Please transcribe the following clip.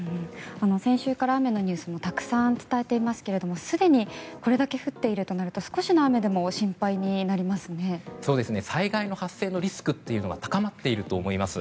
先週から雨のニュースもたくさん伝えていますがすでにこれだけ降っているとなると災害の発生のリスクが高まっていると思います。